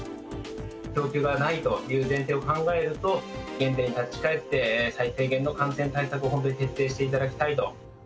供給がないという前提を考えると、原点に立ち返って、最低限の感染対策を本当に徹底していただきたいと。